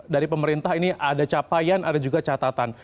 dari pemerintah ini ada capaian ada juga catatan